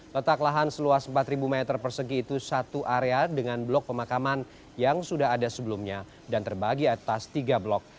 letak lahan seluas empat meter persegi itu satu area dengan blok pemakaman yang sudah ada sebelumnya dan terbagi atas tiga blok